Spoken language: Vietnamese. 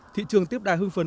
thị trường tiếp đài hưng phấn